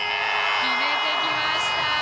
決めてきました。